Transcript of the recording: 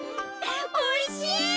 おいしい！